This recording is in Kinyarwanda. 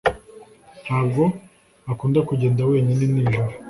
ntabwo akunda kugenda wenyine nijoro.